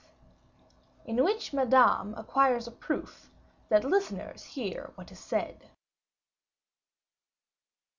In Which Madame Acquires a Proof that Listeners Hear What Is Said.